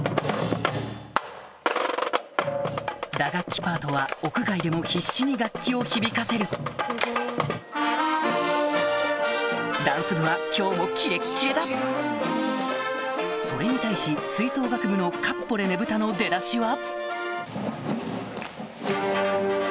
打楽器パートは屋外でも必死に楽器を響かせるダンス部は今日もキレッキレだそれに対し吹奏楽部の『かっぽれ佞武多』の出だしは